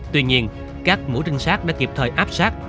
tuy nhiên các mũi trinh sát đã kịp thời áp sát